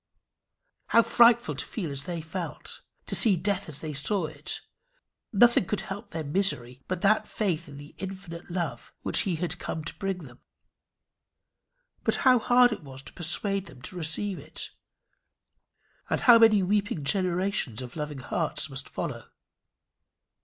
How frightful to feel as they felt! to see death as they saw it! Nothing could help their misery but that faith in the infinite love which he had come to bring them; but how hard it was to persuade them to receive it! And how many weeping generations of loving hearts must follow!